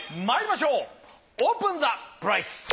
まいりましょうオープンザプライス。